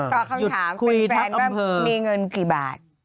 ตอบคำถามแฟนว่ามีเงินกี่บาท